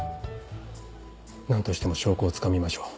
何としても証拠をつかみましょう。